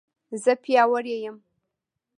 زه پیاوړې یم